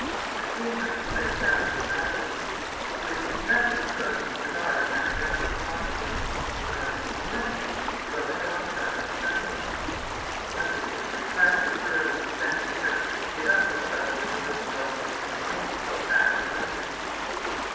At Cambridge he went down hill rapidly. He would think nothing of smoking a cigar in academical costume, and on at least one occasion he drove a dogcart on Sunday. No wonder that he was requested, early in his second year, to give up his struggle with the Little go and betake himself back to London.